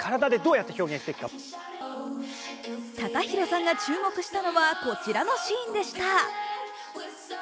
ＴＡＫＡＨＩＲＯさんが注目したのはこちらのシーンでした。